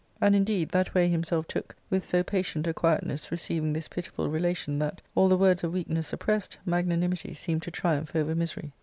And, indeed, that way himself took, with so patient a quietness receiving this pitiful relation that, all the words of weakness suppressed, magnanimity seemed to triumph over misery.